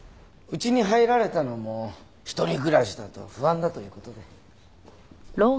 うちに入られたのも一人暮らしだと不安だという事で。